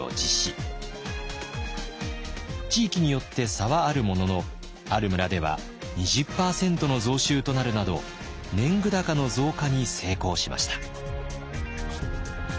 地域によって差はあるもののある村では２０％の増収となるなど年貢高の増加に成功しました。